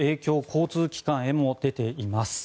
交通機関へも出ています。